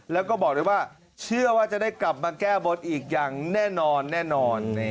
แล้วก็บอกเลยว่าเชื่อว่าจะได้กลับมาแก้บนอีกอย่างแน่นอนแน่นอน